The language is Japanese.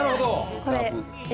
これ。